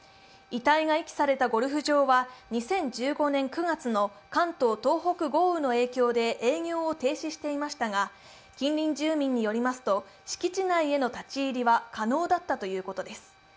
遺体が遺棄されたゴルフ場は２０１５年９月の関東・東北豪雨の影響で営業を停止していましたが、近隣住民によりますと敷地内への立ち入りは可能だったということです。